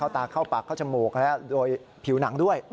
ตาเข้าปากเข้าจมูกและโดยผิวหนังด้วย